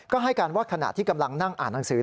ก็ให้การว่าขณะที่กำลังนั่งอ่านหนังสือ